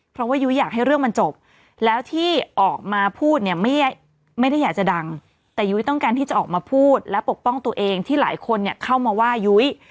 เพราะว่ายุ้ยอยากให้เรื่องมันจบแล้วที่ออกมาพูดเนี่ยไม่ได้อยากจะดังแต่ยุ้ยต้องการที่จะออกมาพูดและปกป้องตัวเองที่หลายคนเนี่ยเข้ามาว่ายุ้ย